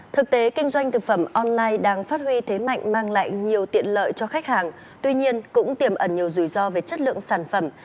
thực tế kinh doanh thực phẩm online đang phát huy thế mạnh mang lại nhiều tiện lợi cho khách hàng tuy nhiên cũng tiềm ẩn nhiều rủi ro về chất lượng sản phẩm